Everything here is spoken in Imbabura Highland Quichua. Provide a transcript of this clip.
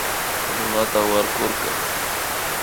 Runata warkurka